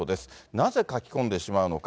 なぜ、書きこんでしまうのか。